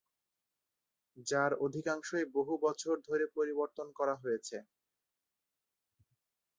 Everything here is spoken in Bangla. যার অধিকাংশই বহু বছর ধরে পরিবর্তন করা হয়েছে।